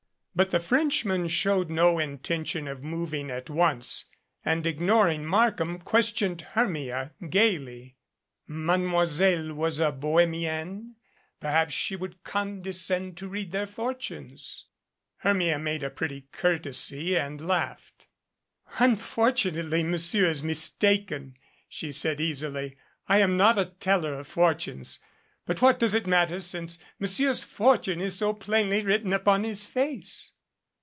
But the Frenchman showed no intention of moving at once and, ignoring Markham, questioned Hermia gaily. Mademoiselle was a bohemienne. Perhaps she would condescend to read their fortunes. Hermia made a pretty curtesy and laughed. "Unfortunately Monsieur is mistaken," she said easily. "I am not a teller of fortunes. But what does it matter since Monsieur's fortune is so plainly written upon his face."